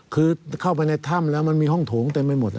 คือเข้าไปในถ้ำแล้วมันมีห้องโถงเต็มไปหมด